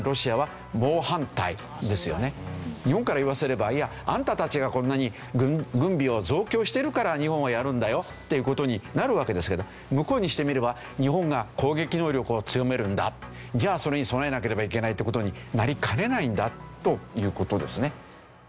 日本から言わせればいやあんたたちがこんなに軍備を増強してるから日本はやるんだよっていう事になるわけですけど向こうにしてみれば日本が攻撃能力を強めるんだじゃあそれに備えなければいけないって事になりかねないんだという事ですね。